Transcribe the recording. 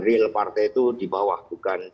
real partai itu di bawah bukan